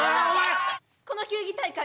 この球技大会